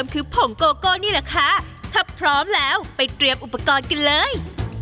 คือผงโกโก้นี่แหละค่ะถ้าพร้อมแล้วไปเตรียมอุปกรณ์กันเลย